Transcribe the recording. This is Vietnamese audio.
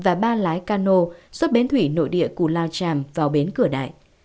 và ba lái cano xuất bến thủy nội địa cù lao tràm vào bến cửa đại